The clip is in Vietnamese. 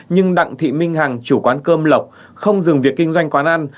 nhưng đặng thị minh hàng chủ quán cơm lọc không dừng việc kinh doanh quán ăn